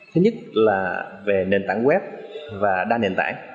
thứ nhất là về nền tảng web và đa nền tảng